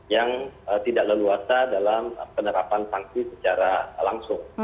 yang tidak leluasa dalam penerapan sanksi secara langsung